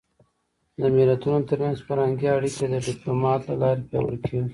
د ملتونو ترمنځ فرهنګي اړیکې د ډيپلومات له لارې پیاوړې کېږي.